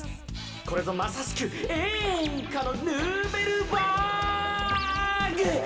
これぞまさしくえんかのヌーベルバーグ！